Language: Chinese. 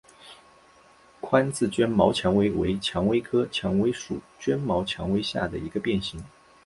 宽刺绢毛蔷薇为蔷薇科蔷薇属绢毛蔷薇下的一个变型。